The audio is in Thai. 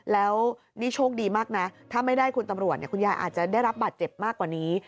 แล้วนี่โชคดีมากนะถ้าไม่ได้คุณตำรวจคุณยายอาจจะได้รับบาดเจ็บมากกว่านี้